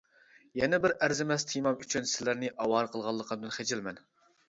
يەنە بىر ئەرزىمەس تېمام ئۈچۈن سىلەرنى ئاۋارە قىلغانلىقىمدىن خىجىلمەن.